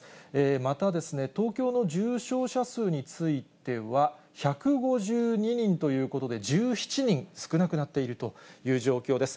また、東京の重症者数については、１５２人ということで、１７人少なくなっているという状況です。